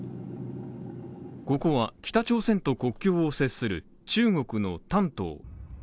ここは、北朝鮮と国境を接する中国の丹東。